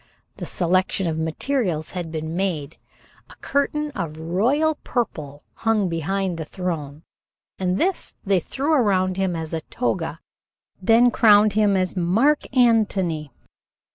The selection of materials had been made. A curtain of royal purple hung behind the throne, and this they threw around him as a toga, then crowned him as Mark Antony.